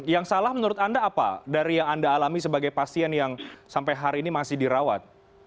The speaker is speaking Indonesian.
yang salah menurut anda apa dari yang anda alami sebagai pasien yang sampai hari ini masih dirawat